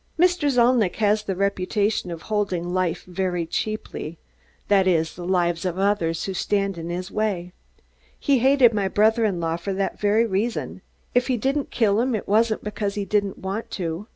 Zalnitch has the reputation of holding life very cheaply that is, the lives of others who stand in his way. He hated my brother in law for that very reason. If he didn't kill him, it wasn't because he didn't want to.